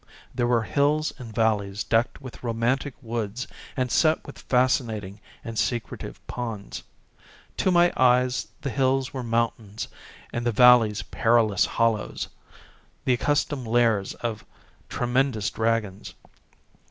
There were hills and valleys decked with romantic woods and set with fascinating and secretive ponds. To my eyes the hills were mountains and the valleys perilous hollows, the accustomed lairs of tremendous dragons.